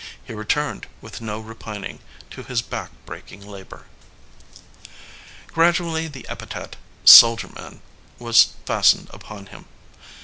He returned, with no repining, to his back breaking labor. Gradually the epithet "Soldier Man" was fas tened upon him.